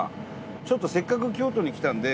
ちょっとせっかく京都に来たんで。